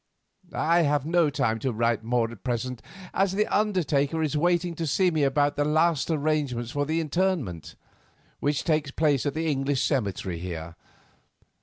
I have no time to write more at present, as the undertaker is waiting to see me about the last arrangements for the interment, which takes place at the English cemetery here.